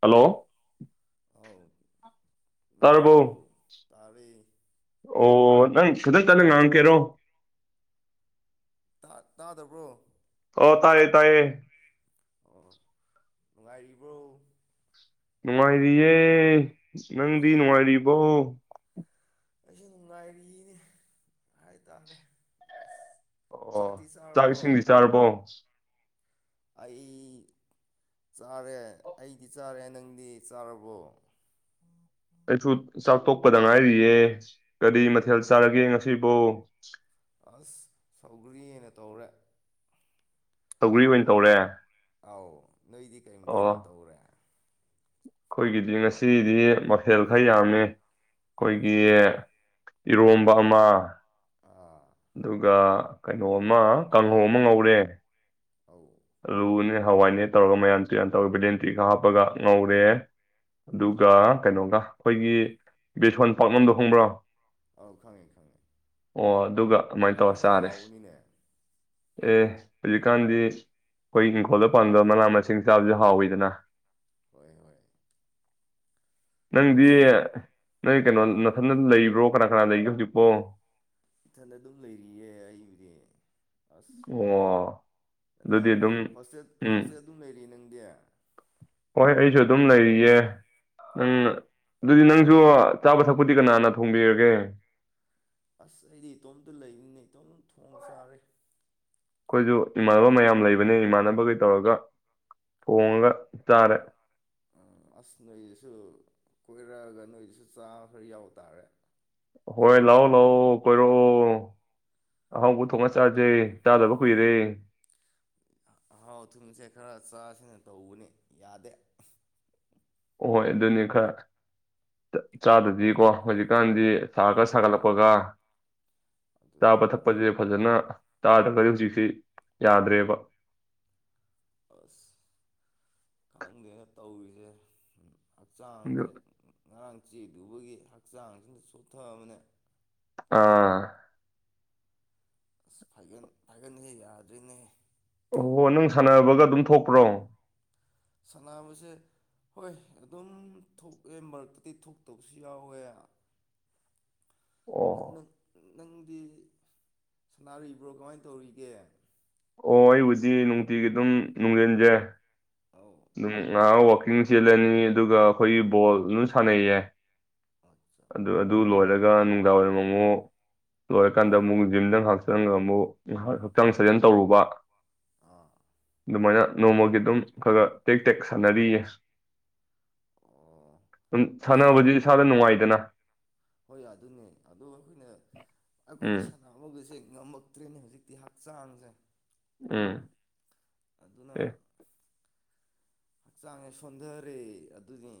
hello ꯍꯥꯎ ꯅꯨꯡꯉꯥꯏꯔꯤꯕ꯭ꯔꯣ ꯇꯥꯔꯕꯣ ꯇꯔꯦ ꯑꯣ ꯅꯪ ꯈꯤꯇꯪ ꯀꯟꯅ ꯉꯥꯡ ꯉꯥꯛꯀꯦꯔꯣ ꯇꯥꯗꯕ꯭ꯔꯣ ꯑꯣ ꯇꯌꯦ ꯇꯌꯦ ꯑꯣ ꯅꯨꯡꯉꯥꯏꯔꯤꯕ꯭ꯔꯣ ꯅꯨꯡꯉꯥꯏꯔꯤꯌꯦ ꯅꯪꯗꯤ ꯅꯨꯡꯉꯥꯏꯔꯤꯕꯣ ꯑꯩꯁꯨ ꯅꯨꯡꯉꯥꯏꯔꯤꯅꯤ ꯍꯥꯏꯇꯥꯥꯔꯦ ꯑꯁ ꯑꯣ ꯆꯥꯛꯇꯤ ꯑꯣ ꯆꯥꯛ ꯆꯥꯔꯕꯣ ꯏꯁꯤꯡꯗꯤ ꯆꯥꯔꯕꯣ ꯑꯩ ꯆꯥꯔꯦ ꯑꯩꯗꯤ ꯆꯥꯔꯦ ꯅꯪꯗꯤ ꯆꯥꯔꯕꯣ ꯑꯩꯁꯨ ꯆꯥꯛꯊꯣꯛꯄꯗ ꯉꯥꯏꯔꯤꯌꯦ ꯀꯔꯤ ꯃꯊꯦꯜ ꯆꯥꯔꯒꯦ ꯉꯁꯤꯕꫭ ꯑꯁ ꯁꯧꯒ꯭ꯔꯤ ꯑꫭꯏꯅ ꯇꯧꯔꯦ ꯁꯧꯒ꯭ꯔꯤ ꯑꯣꯏꯅ ꯇꯧꯔꯦ ꯑꯥꯎ ꯅꯣꯏꯗꯤ ꯀꯔꯤ ꯃꯥꯇꯦꯟ ꯇꯧꯔꯦ ꯑꯩꯈꯣꯏꯒꯤꯗꯤ ꯉꯁꯤꯗꯤ ꯃꯐꯦꯜ ꯈꯔ ꯌꯥꯝꯃꯤ ꯑꯩꯈꯣꯏꯒꯤ ꯏꯔꯣꯝꯕ ꯑꯃ ꯑꯥ ꯑꯗꯨꯒ ꯀꯩꯅꯣ ꯑꯃ ꯀꯥꯡꯍꯧ ꯑꯃ ꯉꯧꯔꯦ ꯑꯧ ꯑꯂꯨꯅꯦ ꯍꯋꯥꯏꯅꯦ ꯇꯧꯔꯒ ꯃꯌꯥꯝ ꯇꯨꯌꯉꯟ ꯇꯧꯋꯦ ꯕ꯭ꯂꯦꯟꯗꯔꯤ ꯈꯔꯥ ꯍꯥꯞꯄꯒ ꯉꯧꯔꯦ ꯑꯗꯨꯒ ꯀꯩꯅꯣꯒ ꯑꯩꯈꯣꯏꯒꯤ ꯕꯦꯁꯣꯟ ꯄꯥꯛꯅꯝꯗꯣ ꯈꯡꯕ꯭ꯔꯣ ꯑꯧ ꯈꯪꯉꯦ ꯈꯪꯉꯦ ꯑꯣ ꯑꯗꯨꯒ ꯑꯗꯨꯃꯥꯏꯅ ꯇꯧꯔ ꯑꯗꯨꯁꯨ ꯆꯥꯔꯦ ꯍꯥꯎꯕꯅꯤꯅꯦ ꯑꯦ ꯍꯧꯖꯤꯛꯀꯥꯟꯗꯤ ꯑꯩꯈꯣꯏ ꯏꯪꯈꯣꯜꯗ ꯄꯪꯗꯕ ꯃꯅꯥ ꯃꯁꯤꯡ ꯆꯥꯕꯁꯨ ꯍꯥꯎꯋꯤꯗꯅ ꯍꯣꯏ ꯍꯣꯏ ꯅꯪꯗꯤ ꯑꯁ ꯅꯣꯏ ꯀꯩꯅꯣ ꯅꯥꯊꯟꯗ ꯂꯩꯕ꯭ꯔꯣ ꯀꯅꯥ ꯀꯅꯥ ꯂꯩꯒꯦ ꯍꯧꯖꯤꯛꯄꯣ ꯏꯊꯟꯗ ꯑꯗꯨꯝ ꯂꯩꯔꯤꯌꯦ ꯑꯩꯕꯨꯗꯤ ꯑꯁ ꯑꯣ ꯑꯗꯨꯗꯤ ꯅꯪ ꯑꯗꯨꯝ ꯍꯣꯁꯇꯦꯜ ꯎꯝ ꯍꯣꯁꯇꯦꯜ ꯑꯗꯨꯝ ꯂꯩꯔꯤ ꯅꯪꯗꯤ ꯍꯣꯏ ꯑꯩꯁꯨ ꯑꯗꯨꯝ ꯂꯩꯔꯤꯌꯦ ꯎꯪ ꯑꯗꯨꯗꯤ ꯅꯪ ꯁꯨ ꯆꯥꯕ ꯊꯛꯄꯨꯗꯤ ꯀꯅꯥꯅ ꯊꯣꯡꯕꯤꯔꯒꯦ ꯑꯁ ꯑꯩꯗꯤ ꯏꯇꯣꯝꯇꯥ ꯂꯩꯕꯅꯦ ꯏꯇꯣꯝ ꯊꯣꯡ ꯆꯥꯔꯦ ꯑꯩꯈꯣꯏꯁꯨ ꯏꯃꯥꯟꯅꯕ ꯃꯌꯥꯝ ꯂꯩꯕꯅꯦ ꯏꯃꯥꯟꯅꯕꯈꯩ ꯇꯧꯔꯒ ꯊꯣꯡꯉꯒ ꯆꯥꯔꯦ ꯑꯁ ꯅꯣꯏꯗꯨꯁꯨ ꯀꯣꯏꯔꯛꯑꯒ ꯅꯣꯏꯗꯨꯁꯨ ꯆꯥꯕ ꯈꯔ ꯌꯥꯎ ꯇꯥꯔꯦ ꯍꯣꯏ ꯂꯥꯛꯑꯣ ꯂꯥꯛꯑꯣ ꯀꯣꯏꯔꯛꯑꯣ ꯑꯍꯥꯡꯕ ꯊꯣꯡꯉ ꯆꯥꯁꯦ ꯆꯥꯗꯕ ꯀꯨꯏꯔꯦ ꯑꯍꯥꯎ ꯑꯊꯨꯝꯕꯁꯦ ꯈꯔ ꯆꯥꯁꯤꯅ ꯇꯧꯕꯅꯤ ꯌꯥꯗꯦ ꯍꯣꯏ ꯑꯗꯨꯅꯤ ꯈꯔ ꯆꯥꯗꯗꯤꯀꯣ ꯍꯧꯖꯤꯛꯀꯥꯟꯗꯤ ꯁꯥ ꯈꯔ ꯁꯥꯒꯠꯂꯛꯄꯒ ꯑꯗꯨꯅꯤ ꯆꯥꯕ ꯊꯛꯄꯁꯦ ꯐꯖꯅꯥ ꯆꯥꯗ꯭ꯔꯒꯗꯤ ꯍꯧꯖꯤꯛꯁꯤ ꯌꯥꯗ꯭ꯔꯦꯕ ꯑꯁ ꯈꯪꯗꯦꯅ‌ꯦ ꯇꯧꯔꯤꯁꯦ ꯑꯗꯨ ꯍꯛꯆꯥꯡꯁꯦ ꯉꯔꯥꯡ ꯆꯦꯗꯨꯕꯒꯤ ꯍꯛꯆꯥꯡꯁꯤꯅ ꯁꯣꯠꯊꯑꯕꯅꯦ ꯑꯥ ꯑꯁ ꯐꯥꯏꯒꯟ ꯐꯥꯏꯒꯁ‌ꯦ ꯌꯥꯗ꯭ꯔ‌ꯦꯅꯦ ꯑꯣ ꯍꯣ ꯅꯪ ꯁꯥꯟꯅꯕꯒ ꯑꯗꯨꯝ ꯊꯣꯛꯄ꯭ꯔꯣ ꯁꯅꯕꯁꯦ ꯍꯣꯏ ꯑꯗꯨꯝ ꯊꯣꯛꯑꯦ ꯃꯔꯛꯇꯗꯤ ꯊꯣꯛꯇꯕꯁꯨ ꯌꯥꯎꯋꯦ ꯅꯪ ꯑꯣ ꯅꯪ ꯅꯪꯗꯤ ꯁꯅꯥꯔꯤꯕ꯭ꯔꯣ ꯀꯃꯥꯏꯅ ꯇꯧꯔꯤꯒꯦ ꯑꯣ ꯑꯩꯕꯨꯗꯤ ꯅꯨꯡꯇꯤꯒꯤ ꯑꯗꯨꯝ ꯅꯨꯡꯁꯤꯜꯁꯦ ꯑꯧ ꯑꯗꯨꯝ ꯉꯥꯏꯍꯥꯛ ꯋꯥꯛꯀꯤꯡ ꯆꯦꯜꯂꯅꯤ ꯑꯗꯨꯒ ꯑꯩꯈꯣꯏꯒꯤ ꯕꯣꯜ ꯑꯗꯨꯝ ꯁꯥꯟꯅꯩꯌꯦ ꯑꯠꯆꯥ ꯑꯗꯨ ꯑꯗꯨ ꯂꯣꯏꯔꯒ ꯒ ꯅꯨꯡꯗꯥꯡꯋꯥꯏꯔꯝ ꯑꯃꯨꯛ ꯂꯣꯏꯔꯀꯥꯟꯗ ꯑꯃꯨꯛ ꯖꯤꯝꯗꯪ ꯉꯥꯏꯥꯛꯆꯒ ꯑꯃꯨꯛ ꯍꯛꯆꯥꯡ ꯁꯥꯖꯦꯟ ꯇꯧꯔꯨꯕ ꯑꯥ ꯑꯗꯨꯃꯥꯏꯅ ꯅꯣꯡꯃꯒꯤ ꯑꯗꯨꯝ ꯈꯔ ꯈꯔ ꯇꯦꯛ ꯇꯦꯛ ꯁꯥꯟꯅꯔꯤꯌꯦ ꯑꯣ ꯑꯁ ꯁꯥꯟꯅꯕꯁ ꯏꯁꯥꯗ ꯅꯨꯡꯉꯥꯏꯇꯦ ꯑꯗꯨꯅ ꯍꯣꯏ ꯑꯗꯨꯅꯦ ꯑꯗꯣ ꯑꯩꯈꯣꯏꯅ ꯎꯝ ꯑꯩꯈꯣꯏꯗꯤ ꯁꯅꯥꯃꯒꯁꯦꯡ ꯉꯝꯃꯛꯇ꯭ꯔꯦꯅꯦ ꯍꯧꯖꯤꯛꯇꯤ ꯍꯛꯆꯥꯡꯁꯦ ꯎꯝ ꯑꯗꯨꯅ ꯑꯦ ꯍꯛꯆꯥꯡꯁꯦ ꯁꯣꯟꯊꯔꯦ ꯑꯗꯨꯅꯦ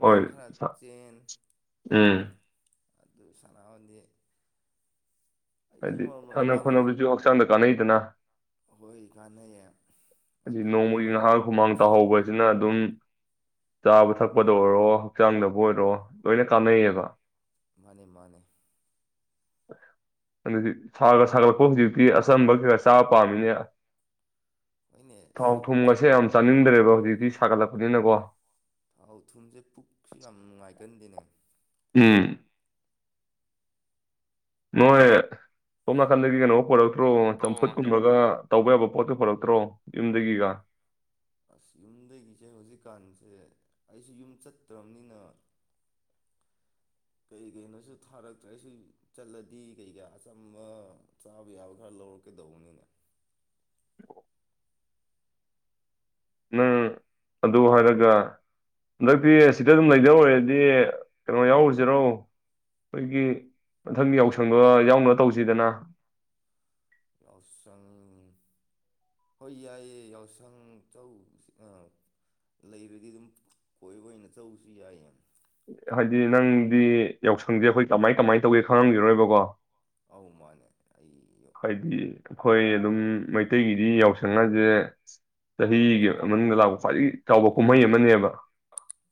ꯍꯣꯏ ꯎꯝ ꯑꯗꯨ ꯁꯥꯟꯅꯥꯍꯗꯤ ꯍꯥꯏꯗꯤ ꯁꯥꯟꯅ ꯈꯣꯠꯅꯕꯁꯨ ꯍꯛꯆꯥꯡꯗ ꯀꯥꯟꯅꯩꯗꯅ ꯍꯣꯏ ꯀꯥꯟꯅꯩꯌꯦ ꯍꯥꯏꯗꯤ ꯑꯗꯨꯕꯨ ꯅꯣꯡꯃꯒꯤ ꯑ ꯉꯥꯏꯍꯥꯡ ꯍꯨꯃꯥꯡ ꯇꯥꯍꯧꯕꯁꯤꯅ ꯑꯗꯨꯝ ꯆꯥꯕ ꯊꯛꯄꯗ ꯑꯣꯏꯔꯣ ꯍꯛꯆꯥꯡꯗꯕꯨ ꯑꯣꯏꯔꯣ ꯂꯣꯏꯅ ꯀꯥꯟꯅꯩꯌꯦꯕ ꯃꯥꯅꯦ ꯃꯥꯅꯦ ꯑꯗꯨꯗꯤ ꯁꯥꯒ ꯁꯥꯒꯠꯂꯛꯄ ꯍꯧꯖꯤꯛꯇꯤ ꯑꯆꯝꯕ ꯀꯩꯀꯥ ꯆꯥꯕ ꯄꯥꯝꯃꯤꯅꯦ ꯍꯣꯏꯅꯦ ꯊꯥꯎ ꯊꯨꯝ ꯑꯁꯦ ꯌꯥꯝ ꯆꯥꯅꯤꯡꯗ꯭ꯔꯦꯕ ꯍꯧꯖꯤꯛꯇꯤ ꯁꯥꯒꯠꯂꯛꯄꯅꯤꯅꯀꯣ ꯊꯥꯎ ꯊꯨꯝꯁꯦ ꯄꯨꯛꯁꯨ ꯌꯥꯝ ꯅꯨꯡꯉꯥꯏꯒꯟꯗꯦꯅꯦ ꯎꯝ ꯅꯣꯏ ꯇꯣꯃꯅꯥ ꯈꯥꯟ ꯂꯩꯒ ꯀꯩꯅꯣ ꯄꯔꯛ ꯆꯠꯇ꯭ꯔꯣ ꯆꯝꯐꯨꯠꯀꯨꯝꯕꯒ ꯇꯧꯕ ꯌꯥꯕ ꯄꯣꯠꯇꯨ ꯄꯨꯔꯛꯇ꯭ꯔꯣ ꯌꯨꯝꯗꯒꯤꯒ ꯑꯁ ꯌꯨꯝꯗꯒꯤꯁꯦ ꯍꯧꯖꯤꯛꯀꯥꯟꯁꯦ ꯑꯩꯁꯨ ꯌꯨꯝ ꯆꯠꯇ꯭ꯔꯕꯅꯤꯅ ꯀꯩ ꯀꯩꯅꯣꯁꯨ ꯊꯥꯔꯛꯇ꯭ꯔ ꯑꯩꯁꯨ ꯆꯠꯂꯗꯤ ꯀꯩꯀꯥ ꯑꯆꯝꯕ ꯆꯥꯕ ꯌꯥꯕ ꯈꯔ ꯂꯧꯔꯛꯀꯦꯗꯧꯕꯅꯤꯅꯦ ꯅꯪ ꯑꯗꯨ ꯍꯥꯏꯔꯒ ꯍꯟꯗꯛꯇꯤ ꯁꯤꯗ ꯑꯗꯨꯝ ꯂꯩꯖ ꯑꯣꯏꯔꯗꯤ ꯀꯩꯅꯣ ꯌꯥꯎꯔꯨꯁꯤꯔꯣ ꯑꯩꯈꯣꯏꯒꯤ ꯃꯊꯪ ꯌꯥꯎꯁꯪꯗ ꯌꯥꯎꯅꯕ ꯇꯧꯁꯤꯗꯅ ꯌꯥꯎꯁꯪ ꯍꯣꯏ ꯌꯥꯏꯌꯦ ꯌꯥꯎꯁꯪ ꯆꯧ ꯑ ꯂꯩꯔꯗꯤ ꯑꯗꯨꯝ ꯀꯣꯏꯕ ꯑꯣꯏꯅ ꯆꯧꯕꯁꯨ ꯌꯥꯏꯌꯦ ꯍꯥꯏꯗꯤ ꯅꯪꯗꯤ ꯌꯥꯎꯁꯪꯁꯦ ꯑꯩꯈꯣꯏ ꯀꯃꯥꯏ ꯀꯃꯥꯏꯅ ꯇꯧꯒꯦ ꯈꯪꯍꯟꯈꯤꯔꯣꯏꯕꯀꯣ ꯑꯧ ꯃꯥꯅꯦ ꯑꯩ ꯍꯥꯏꯗꯤ ꯑꯩꯈꯣꯏ ꯑꯗꯨꯝ ꯃꯩꯇꯩꯒꯤꯗꯤ ꯌꯥꯎꯁꯪ ꯍꯥꯏꯁꯦ ꯆꯍꯤꯒꯤ ꯃꯅꯨꯡꯗ ꯂꯥꯛꯄ ꯈ꯭ꯋꯥꯏꯗꯒꯤ ꯆꯥꯎꯕ ꯀꯨꯝꯍꯩ ꯑꯃꯅꯦꯕ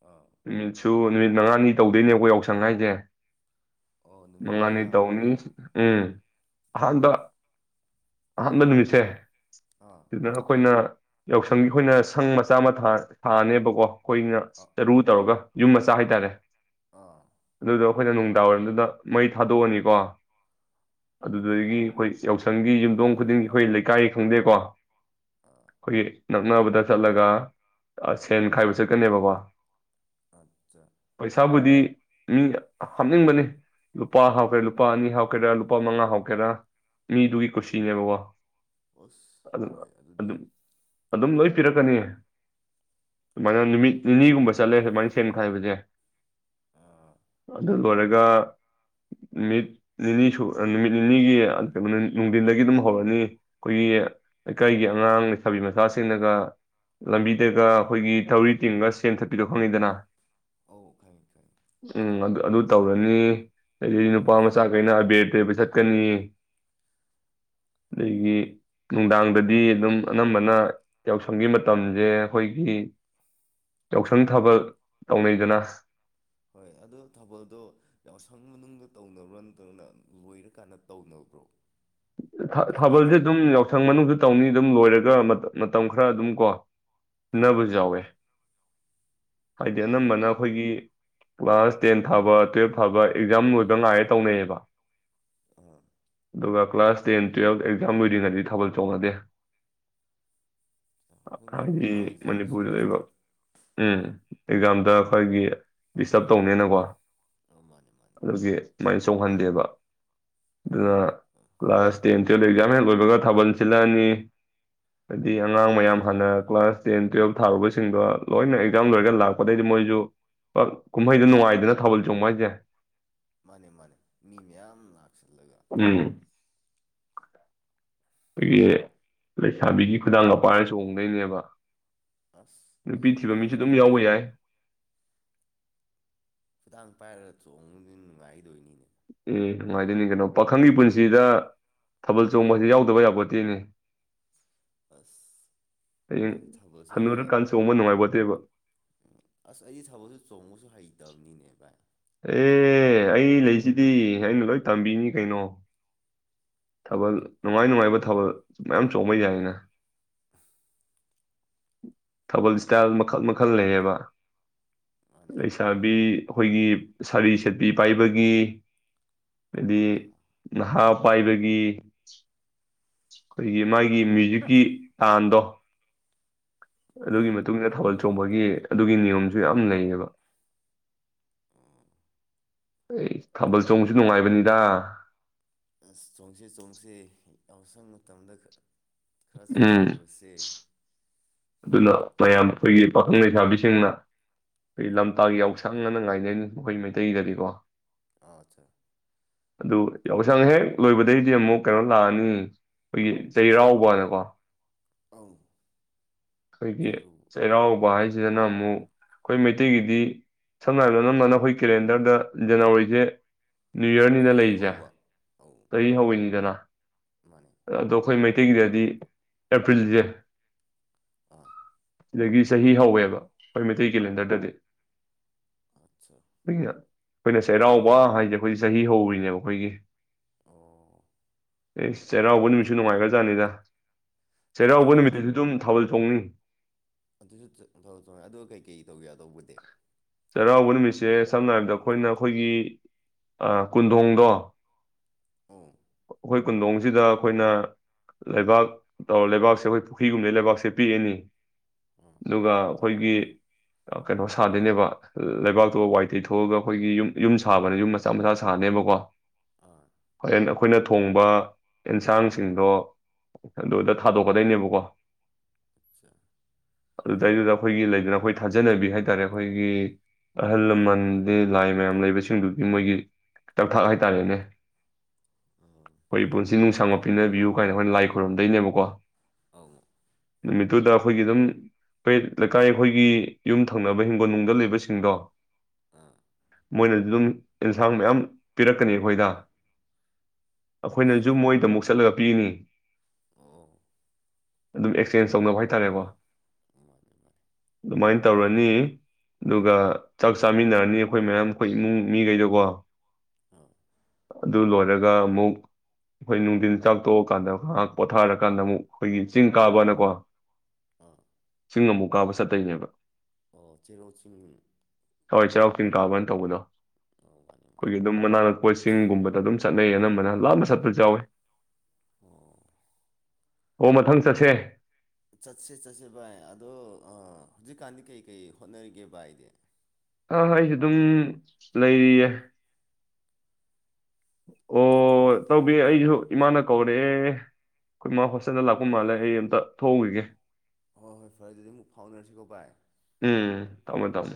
ꯑꯥ [unintelligible] ꯁꯨ ꯅꯨꯃꯤꯠ ꯃꯉꯥꯅꯤ ꯇꯧꯗꯣꯏꯅꯦ ꯑꯩꯈꯣꯏ ꯌꯥꯎꯁꯪ ꯍꯥꯏꯁꯦ ꯑꯣ ꯅꯨꯃꯤꯠ ꯃꯉꯤꯅꯤ ꯃꯉꯥ ꯇꯧꯅꯤ ꯎꯝ ꯑꯍꯥꯟꯕ ꯑꯍꯥꯟꯕ ꯅꯨꯃꯤꯠꯁꯦ ꯑꯥ ꯑꯗꯨꯅ ꯑꯩꯈꯣꯏꯅ ꯌꯥꯎꯁꯪꯒꯤ ꯑꯩꯈꯣꯏꯅ ꯁꯪ ꯃꯆꯥ ꯑꯃ ꯁꯥ ꯁꯤꯅꯦꯕꯀꯣ ꯑꯩꯈꯣꯏꯅ ꯑꯥ ꯆꯔꯨ ꯇꯧꯔꯒ ꯌꯨꯝ ꯃꯆꯥ ꯍꯥꯏꯇꯥꯔꯦ ꯑꯥ ꯑꯗꯨꯗ ꯑꯩꯈꯣꯏꯅ ꯅꯨꯡꯗꯥꯡꯋꯥꯏꯔꯝꯗꯨꯗ ꯃꯩ ꯊꯥꯗꯣꯛꯑꯅꯤꯀꯣ ꯑꯧ ꯑꯗꯨꯗꯒꯤ ꯑꯩꯈꯣꯏ ꯌꯥꯎꯁꯪꯒꯤ ꯌꯨꯝꯊꯣꯡ ꯈꯨꯗꯤꯡꯒꯤ ꯑꯩꯈꯣꯏ ꯂꯩꯀꯥꯏ ꯈꯪꯗꯦꯀꯣ ꯑꯥ ꯈꯣꯏꯒꯤ ꯅꯛꯅꯕꯗ ꯆꯠꯂꯒ ꯁꯦꯟ ꯈꯥꯏꯕ ꯆꯠꯀꯅꯦꯕꯀꯣ ꯑꯠꯆꯥ ꯄꯩꯁꯥꯕꯨꯗꯤ ꯃꯤ ꯍꯥꯞꯅꯤꯡꯕꯅꯤ ꯂꯨꯄꯥ ꯍꯥꯎꯒꯦꯔꯥ ꯂꯨꯄꯥ ꯑꯅꯤ ꯍꯥꯎꯀꯦꯔꯥ ꯂꯨꯄꯥ ꯃꯉꯥ ꯍꯧꯥꯎꯒꯦꯔꯥ ꯃꯤ ꯇꯨꯒꯤ ꯈꯨꯁꯤꯅꯦ ꯕꯕꯥ ꯑꯁ ꯑꯗꯨ ꯍꯣꯏ ꯑꯗꯨꯗꯤ ꯑꯗꯨꯝ ꯑꯗꯨꯝ ꯂꯣꯏ ꯄꯤꯔꯛꯀꯅꯤ ꯑꯗꯨꯨꯃꯥꯏꯅ ꯅꯨꯃꯤꯠ ꯅꯤꯅꯤꯒꯨꯝꯕ ꯆꯠꯂꯦ ꯁꯨꯃꯥꯏꯅ ꯁꯦꯝꯈꯥꯏꯕꯁꯦ ꯑꯥ ꯑꯗꯨꯗ ꯍꯔ ꯑꯗꯨꯒ ꯅꯨꯃꯤꯠ ꯅꯤꯅꯤ ꯁ ꯅꯨꯃꯤꯠ ꯅꯤꯅꯤꯒꯤ ꯀꯩꯒꯣ ꯅꯨꯡꯊꯜꯗꯒꯤ ꯑꯗꯨꯝ ꯍꯧꯔꯅꯤ ꯑꯩꯈꯣꯏꯒꯤ ꯂꯩꯀꯥꯏꯒꯤ ꯑꯉꯥꯡ ꯂꯩꯁꯥꯕꯤ ꯃꯆꯥꯁꯤꯡꯅꯒ ꯂꯝꯕꯤꯗꯒ ꯑꯩꯈꯣꯏꯒꯤ ꯊꯧꯔꯤ ꯇꯤꯡꯒ ꯁꯦꯝꯊꯠꯄꯤꯗꯣ ꯈꯪꯅꯤꯤꯗꯅ ꯑꯧ ꯈꯪꯉꯤ ꯈꯪꯉꯤ ꯎꯝ ꯑꯗꯨ ꯑꯗꯨ ꯇꯧꯔꯅꯤ ꯍꯥꯏꯗꯤ ꯅꯨꯄꯥ ꯑꯁ ꯃꯆꯥ ꯀꯩꯅ ꯑꯕꯦꯔꯇ ꯄꯩꯁꯥ ꯀꯅꯤ ꯑꯗꯒꯤ ꯅꯨꯡꯗꯥꯡꯗꯗꯤ ꯑꯗꯨꯝ ꯑꯅꯝꯕꯅ ꯌꯥꯎꯁꯪꯒꯤ ꯃꯇꯝꯁꯦ ꯑꯩꯈꯣꯏꯒꯤ ꯌꯥꯎꯁꯪ ꯊꯕꯛ ꯇꯧꯅꯩꯗꯅ ꯍꯣꯏ ꯑꯗꯣ ꯊꯥꯕꯜꯗꯣ ꯌꯥꯎꯁꯪ ꯃꯅꯨꯡꯗ ꯇꯧꯅꯕ꯭ꯔꯣ ꯅꯠꯇꯧꯅ ꯂꯣꯏꯔꯀꯥꯟꯗ ꯇꯧꯅꯕ꯭ꯔꯣ ꯊꯥꯕꯜꯁꯦ ꯑꯗꯨꯝ ꯌꯥꯎꯁꯪ ꯃꯅꯨꯡ ꯇꯧꯅꯤ ꯑꯗꯨꯝ ꯂꯣꯏꯔꯒ ꯃꯇꯝ ꯈꯔ ꯑꯗꯨꯝ ꯀꯣ ꯑꯧ ꯁꯤꯟꯅꯕꯁꯨ ꯌꯥꯎꯋꯦ ꯍꯥꯏꯗꯤ ꯑꯥ ꯑꯅꯝꯕꯅ ꯑꯩꯈꯣꯏꯒꯤ ꯀ꯭ꯂꯥꯁ ꯇꯦꯟ ꯐꯥꯕ ꯇꯨꯋꯦꯜꯞ ꯐꯥꯕ ꯑꯦꯛꯖꯥꯝ ꯂꯣꯏꯕ ꯉꯥꯏꯔꯦ ꯇꯧꯅꯩꯌꯦꯕ ꯑꯥ ꯑꯗꯨꯒ ꯀ꯭ꯂꯥꯁ ꯇꯦꯟ ꯇꯨꯌꯦꯦꯜꯞ ꯑꯦꯛꯖꯥꯝ ꯂꯣꯏꯔꯤꯉꯩꯗꯤ ꯊꯥꯕꯜ ꯆꯣꯡꯉꯗꯦ ꯍꯣꯏꯅꯦ ꯃꯣꯏ ꯍꯥꯏ ꯑꯦꯛꯖꯥꯝꯗꯁꯨ ꯃꯅꯤꯄꯨꯔꯗ ꯏꯕ ꯗꯤꯁꯇꯔꯕ ꯎꯝ ꯑꯦꯛꯖꯥꯝꯗ ꯑꯩꯈꯣꯏꯒꯤ ꯗꯤꯁꯇꯔꯕ ꯇꯧꯅꯦꯅꯀꯣ ꯑꯥ ꯃꯥꯅꯦ ꯃꯥꯅꯦ ꯑꯗꯨ ꯃ ꯁꯧꯍꯟꯗꯦꯕ ꯑꯗꯨꯅ ꯑꯥ ꯀ꯭ꯂꯥꯁ ꯇꯦꯟ ꯇꯨꯌꯦꯜꯞ ꯑꯦꯛꯖꯥꯝ ꯍꯦꯛ ꯂꯣꯏꯕꯒ ꯊꯥꯕꯜ ꯁꯤꯜꯂꯛꯑꯅꯤ ꯍꯥꯏꯗꯤ ꯑꯉꯥꯡ ꯃꯌꯥꯝ ꯍꯥꯟꯅ ꯀ꯭ꯂꯥꯁ ꯇꯦꯟ ꯇꯨꯌꯦꯜꯞ ꯊꯥꯔꯨꯕꯁꯤꯡꯗꯣ ꯂꯣꯏꯅ ꯑꯦꯛꯖꯥꯝ ꯂꯣꯏꯔꯒ ꯂꯥꯛꯄꯗꯩꯗꯤ ꯃꯣꯏꯁꯨ ꯄ ꯀꯨꯝꯍꯩꯗ ꯅꯨꯡꯉꯥꯏꯗꯅ ꯊꯥꯕꯜ ꯆꯣꯡꯕ ꯍꯥꯏꯁꯦ ꯃꯥꯅꯦ ꯃꯥꯅꯦ ꯃꯤ ꯃꯌꯥꯝ ꯂꯥꯛꯁꯜꯂꯦ ꯎꯝ ꯑꯩꯈꯣꯏꯒꯤ ꯂꯩꯁꯥꯕꯤꯒꯤ ꯈꯨꯗꯥꯡ ꯑꯄꯥꯏꯔ ꯆꯣꯡꯗꯣꯏꯅꯦꯕ ꯑꯁ ꯅꯨꯄꯤ ꯑꯗꯨꯗꯤ ꯊꯤꯕ ꯃꯤꯁꯨ ꯑꯗꯨꯝ ꯌꯥꯎꯕ ꯅꯨꯡꯉꯥꯏꯗꯣꯏꯅꯤꯅꯦ ꯌꯥꯏ ꯐꯗꯥꯥꯡ ꯄꯥꯏꯔꯒ ꯆꯣꯡꯉꯗꯤ ꯅꯨꯡꯉꯥꯏꯗꯣꯏꯅꯤꯅꯦ ꯎꯝ ꯅꯨꯡꯉꯥꯏꯗꯣꯏꯅꯤ ꯀꯩꯅꯣ ꯄꯥꯈꯪꯒꯤ ꯄꯨꯟꯁꯤꯗ ꯊꯥꯕꯜ ꯆꯣꯡꯕꯁ ꯌꯥꯎꯗꯕ ꯌꯥꯄꯣꯠꯇꯤꯅꯤ ꯑꯁ ꯑꯩ ꯊꯥꯕꯜꯁꯦ ꯈꯔ ꯍꯟꯅꯨꯔꯀꯥꯟ ꯆꯣꯡꯕ ꯅꯨꯡꯉꯥꯏꯄꯣꯠꯇꯦꯕ ꯎ ꯑꯁ ꯑꯩꯒꯤ ꯊꯥꯕꯜꯁꯦ ꯆꯣꯡꯉꯨꯁꯨ ꯍꯩꯇꯕꯅꯤꯅꯦ ꯚꯥꯏ ꯑꯦ ꯑꯩ ꯂꯩꯁꯤꯗꯤ ꯑꯩꯅ ꯂꯣꯏ ꯇꯝꯕꯤꯅꯤ ꯀꯩꯅꯣ ꯊꯥꯕꯜ ꯅꯨꯡꯉꯥꯏ ꯅꯨꯡꯉꯥꯏꯕ ꯊꯥꯕꯜ ꯃꯌꯥꯝ ꯆꯣꯡꯕ ꯌꯥꯏꯅꯦ ꯊꯥꯕꯜ ꯏꯁꯇꯥꯏꯜ ꯃꯈꯜ ꯃꯈꯜ ꯂꯩꯌꯦꯕ ꯃꯥꯅꯦ ꯑꯩꯁꯥꯕꯤ ꯑꯩꯈꯣꯏꯒꯤ ꯁꯥꯔꯤ ꯁꯠꯄꯤ ꯄꯥꯏꯕꯒꯤ ꯍꯥꯏꯗꯤ ꯑꯥ ꯅꯍꯥ ꯄꯥꯏꯕꯒꯤ ꯑꯩꯈꯣꯏꯒꯤ ꯃꯥꯒꯤ ꯃ꯭ꯌꯨꯖꯤꯛꯀꯤ ꯇꯥꯟꯗꯣ ꯑꯗꯨꯒꯤ ꯃꯇꯨꯡꯟꯅ ꯊꯥꯕꯜ ꯆꯣꯡꯕꯒꯤ ꯑꯗꯨꯒꯤ ꯅꯤꯌꯣꯝꯁꯨ ꯌꯥꯝ ꯂꯩꯌꯦꯕ ꯑꯩ ꯊꯥꯕꯜ ꯆꯣꯡꯕꯁꯨ ꯅꯨꯡꯉꯥꯏꯕꯅꯤꯗ ꯑꯁ ꯆꯣꯡꯁꯤ ꯆꯣꯡꯁꯤ ꯑꯧꯁꯪ ꯃꯇꯝꯗ ꯈꯔ ꯎꯝ ꯆꯣꯡꯍꯧꯔꯁꯦ ꯑꯗꯨꯅ ꯃꯌꯥꯝ ꯑꯩꯈꯣꯏꯒꯤ ꯄꯥꯈꯪ ꯂꯩꯁꯥꯕꯤꯁꯤꯡꯅ ꯑꯩꯈꯣꯏ ꯂꯝꯇꯥꯒꯤ ꯌꯥꯎꯁꯪꯅꯅ ꯉꯥꯏꯅꯔꯤꯅꯤ ꯃꯈꯣꯏ ꯃꯩꯇꯩꯗꯗꯤꯀꯣ ꯑꯆꯥ ꯑꯗꯨ ꯌꯥꯎꯁꯪ ꯍꯦꯛ ꯂꯣꯏꯕꯗꯩꯗꯤ ꯑꯃꯨꯛ ꯀꯩꯅꯣ ꯂꯥꯛꯑꯅꯤ ꯑꯩꯈꯣꯏꯒꯤ ꯆꯩꯔꯥꯎꯕꯅꯀꯣ ꯑꯧ ꯑꯩꯈꯣꯏꯒꯤ ꯆꯤꯔꯨ ꯆꯩꯔꯥꯎꯕ ꯍꯥꯏꯁꯤ ꯁꯤꯗꯅ ꯑꯃꯨꯛ ꯑꯩꯈꯣꯏ ꯃꯩꯇꯩꯒꯤꯗꯤ ꯁꯝꯅ ꯍꯥꯏꯔꯕꯗ ꯅꯝꯕꯅ ꯑꯩꯈꯣꯏ ꯀꯦꯂꯦꯟꯗꯔꯗ ꯖꯅꯋꯥꯔꯤꯁꯦ ꯅ꯭ꯌꯨ ꯌꯔꯅꯤꯅ ꯆꯍꯤ ꯂꯩꯔꯤꯁꯦ ꯍꯧꯕ ꯑꯧ ꯆꯍꯤ ꯍꯧꯋꯏꯅꯤꯗꯅ ꯃꯥꯅꯦ ꯑꯗꯣ ꯈꯣꯏ ꯃꯩ ꯇꯩꯒꯤꯗꯗꯤ ꯑꯦꯄ꯭ꯔꯤꯜꯁꯦ ꯑ ꯁꯤꯗꯒꯤ ꯆꯍꯤ ꯍꯧꯋꯦꯕ ꯑꯩꯈꯣꯏ ꯃꯩꯇꯩ ꯀꯦꯂꯦꯟꯗꯔꯗꯗꯤ ꯑꯠꯆꯥ ꯑꯉ ꯑꯩꯈꯣꯏꯅ ꯆꯩꯔꯥꯎꯕ ꯍꯥꯏꯁꯦ ꯑꯩꯈꯣꯏꯗꯤ ꯆꯍꯤ ꯍꯧꯔꯤꯅꯦꯕ ꯑꯩꯈꯣꯏꯒꯤ ꯑꯣ ꯑꯦ ꯆꯩꯔꯥꯎꯕ ꯅꯨꯃꯤꯠꯁꯨ ꯅꯨꯡꯉꯥꯏꯈ꯭ꯔꯖꯥꯠꯅꯤꯗ ꯆꯩꯔꯥꯎꯕ ꯆꯩꯔꯧꯕꯗꯤ ꯅꯨꯃꯤꯠꯇꯁꯨ ꯑꯗꯨꯝ ꯊꯥꯕꯜ ꯆꯣꯡꯅꯤ ꯑꯗꯨꯁꯨ ꯊ ꯆꯣꯡꯉꯦ ꯑꯗꯨꯒ ꯀꯩꯀꯩ ꯇꯧꯒꯦ ꯇꯧꯕꯗꯤ ꯆꯩꯔꯥꯎꯕ ꯅꯨꯃꯤꯠꯁꯦ ꯁꯝꯅ ꯍꯥꯏꯔꯕꯗ ꯑꯩꯈꯣꯏꯅ ꯑꯩꯈꯣꯏꯒꯤ ꯑ ꯀꯨꯟꯗꯣꯡꯗꯣ ꯑꯣ ꯍꯣꯏ ꯀꯨꯟꯗꯣꯡꯁꯤꯗ ꯑꯩꯈꯣꯏꯅ ꯂꯩꯕꯥꯛ ꯇꯧꯔ ꯂꯩꯕꯥꯛꯁꯦ ꯑꯩꯈꯣꯏ ꯄꯨꯈ꯭ꯔꯤꯒꯨꯝꯕꯩ ꯂꯩꯕꯥꯛꯁꯦ ꯄꯦꯛꯑꯅꯤ ꯑꯥ ꯑꯗꯧꯒꯥ ꯑꯩꯈꯣꯏꯒꯤ ꯀꯩꯅꯣ ꯁꯥꯗꯣꯏꯅꯦꯕ ꯂꯩꯕꯥꯛꯇꯨ ꯋꯥꯏ ꯇꯩꯊꯑꯒ ꯑꯩꯈꯣꯏꯒꯤ ꯌꯨꯝ ꯌꯨꯝ ꯁꯥꯕꯅꯦ ꯌꯨꯝ ꯃꯆꯥ ꯃꯆꯥ ꯁꯥꯅꯦꯕꯀꯣ ꯑꯥ ꯍꯣꯔꯦꯟ ꯑꯩꯈꯣꯏꯅ ꯊꯣꯡꯕ ꯑꯦꯟꯁꯥꯡꯁꯤꯡꯗꯣ ꯑꯗꯨꯗ ꯊꯥꯗꯣꯛꯀꯗꯣꯏꯅꯦꯕꯀꯣ ꯑꯆꯥ ꯑꯗꯨꯗꯩꯗꯨꯗ ꯑꯩꯈꯣꯏꯒꯤ ꯂꯩꯗꯅ ꯑꯩꯈꯣꯏ ꯊꯥꯖꯅꯕꯤ ꯍꯥꯏ ꯇꯔꯦ ꯑꯩꯈꯣꯏꯒꯤ ꯑꯍꯜ ꯂꯃꯟꯗꯤ ꯂꯥꯏ ꯃꯌꯥꯝ ꯂꯩꯕꯁꯤꯡꯗꯨꯒꯤ ꯃꯣꯏꯒꯤ ꯇꯛ ꯊꯥꯛ ꯍꯥꯏꯇꯥꯔꯦꯅꯦ ꯑꯥ ꯑꯩꯈꯣꯏꯒꯤ ꯄꯨꯟꯁꯤ ꯅꯨꯡꯁꯥꯡꯕ ꯄꯤꯅꯕꯤꯌꯨ ꯀꯥꯏꯅ ꯑꯩꯈꯣꯏꯅ ꯂꯥꯏ ꯈꯨꯣꯏꯔꯨꯝꯗꯣꯏꯅꯦꯕꯀꯣ ꯑ ꯅꯨꯃꯤꯠꯇꯨꯗ ꯑꯩꯈꯣꯏꯒꯤ ꯑꯗꯨꯝ ꯑꯩꯈꯣꯏ ꯂꯩꯀꯥꯏ ꯑꯩꯈꯣꯏꯒꯤ ꯌꯨꯝ ꯊꯪꯅꯕ ꯍꯤꯡꯒꯣꯜ ꯅꯨꯡꯗ ꯂꯩꯕꯁꯤꯡꯗꯣ ꯑꯥ ꯃꯣꯏꯅꯁꯨ ꯑꯗꯨꯝ ꯑꯦꯟꯁꯥꯡ ꯃꯌꯥꯝ ꯄꯤꯔꯛꯀꯅꯤ ꯑꯩꯈꯣꯏꯗ ꯑꯩꯈꯣꯏꯅꯁꯨ ꯑꯁ ꯃꯣꯏꯗ ꯑꯃꯨꯛ ꯆꯠꯂꯒ ꯄꯤꯅꯤ ꯑꯣ ꯑꯗꯨꯝ ꯑꯦ ꯆꯦꯟꯖ ꯇꯧꯅꯕ ꯍꯥꯏꯇꯥꯔꯦꯀꯣ ꯃꯥꯅꯦ ꯃꯥꯅꯦ ꯑꯗꯨꯃꯥꯏꯅ ꯇꯧꯔꯅꯤ ꯑꯗꯨꯒ ꯆꯥꯛ ꯆꯥꯃꯤꯟꯅꯔꯅꯤ ꯑꯩꯈꯣꯏ ꯃꯌꯥꯝ ꯑꯩꯈꯣꯏ ꯏꯃꯨꯡ ꯃꯤꯒꯩꯗꯀꯣ ꯑꯥ ꯑꯗꯨ ꯂꯣꯏꯔꯒ ꯑꯃꯨꯛ ꯑꯩꯈꯣꯏ ꯅꯨꯡꯊꯤꯟ ꯆꯥꯛꯊꯣꯛꯑꯀꯥꯟꯗ ꯉꯥꯏꯍꯥꯛ ꯄꯣꯊꯥꯔꯀꯥꯟꯗ ꯑꯃꯨꯛ ꯑꯩꯈꯣꯏꯒꯤ ꯆꯤꯡ ꯀꯥꯕꯅ ꯀꯣ ꯑꯥ ꯆꯤꯡ ꯑꯃꯨꯛ ꯀꯥꯕ ꯆꯠꯇꯣꯏꯅꯦꯕ ꯑꯣ ꯆꯦꯔꯧ ꯆꯤꯡ ꯍꯋꯥꯏ ꯆꯩꯔꯥꯎ ꯆꯤꯟ ꯀꯥꯕꯅ ꯇꯧꯕꯗꯣ ꯑꯣ ꯃꯥꯅꯦ ꯑꯩꯈꯣꯏꯒꯤ ꯃꯥꯅꯦ ꯑꯗꯨꯝ ꯃꯅꯥꯛ ꯅꯛꯄꯁꯤꯡꯒꯨꯝꯕꯗ ꯑꯗꯨꯝ ꯆꯠꯅꯩ ꯑꯅꯝꯕꯅ ꯂꯥꯞꯅ ꯆꯠꯄꯁꯨ ꯌꯥꯎꯋꯤ ꯑꯣ ꯑꯣ ꯃꯊꯪ ꯆꯠꯁꯦ ꯆꯠꯁꯦ ꯆꯠꯁꯦ ꯚꯥꯏ ꯑꯗꯣ ꯍꯧꯖꯤꯛꯀꯥꯟꯗꯤ ꯀꯩꯀꯩ ꯍꯣꯠꯅꯔꯤꯒꯦ ꯚꯥꯏꯗꯤ ꯑ ꯍ ꯑꯩꯁꯨ ꯑꯗꯨꯝ ꯂꯩꯔꯤꯌꯦ ꯊ- ꯑꯣ ꯇꯧ ꯑꯩꯁꯨ ꯏꯃꯥꯅ ꯀꯧꯔꯦ ꯑꯩꯈꯣꯏ ꯏꯃꯥ ꯍꯣꯁꯇꯦꯜꯗ ꯂꯥꯛꯄ ꯃꯥꯜꯂꯦ ꯑꯩ ꯑꯝꯇ ꯊꯣꯛꯍꯧꯈꯤꯒꯦ ꯍꯣꯏ ꯍꯣꯏ ꯐꯔꯦ ꯑꯗꯨꯗꯤ ꯑꯃꯨꯛ ꯐꯥꯎꯅꯔꯁꯤꯀꯣ ꯕꯥꯥꯏ ꯎꯝ ꯊꯝꯃꯦ ꯊꯝꯃꯦ